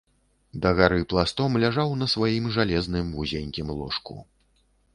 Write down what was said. Дагары пластом ляжаў на сваім жалезным вузенькім ложку.